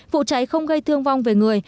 vụ cháy không gây thương vong về người